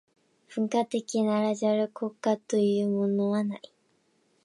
文化的ならざる国家というものはない。